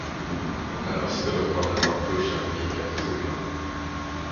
Men Österlund hade tagit kursen och gick efter solen.